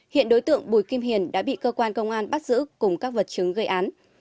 hiện đối tượng bùi kim hiền đã bị cơ quan công an bắt giữ cùng các vật chứng gây án